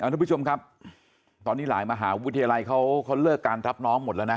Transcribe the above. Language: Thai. ทุกผู้ชมครับตอนนี้หลายมหาวิทยาลัยเขาเลิกการรับน้องหมดแล้วนะ